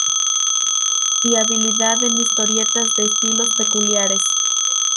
Y habilidad en historietas de estilos peculiares.